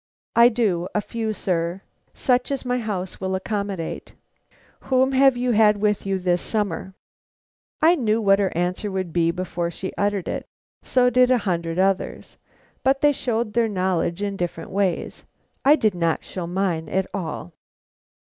"I do; a few, sir; such as my house will accommodate." "Whom have you had with you this summer?" I knew what her answer would be before she uttered it; so did a hundred others, but they showed their knowledge in different ways. I did not show mine at all.